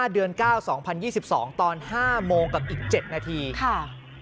เดือน๙๒๐๒๒ตอน๕โมงกับอีก๗นาทีค่ะ